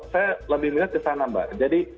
saya lebih minat kesana mbak jadi